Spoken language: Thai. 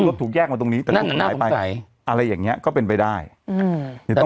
แล้วรถถูกแยกมาตรงนี้นั่นหน้าของใครอะไรอย่างเงี้ยก็เป็นไปได้อืม